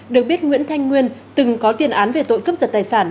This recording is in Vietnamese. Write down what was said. được biết nguyễn thanh nguyên từng có tiền án về tội cướp giật tài sản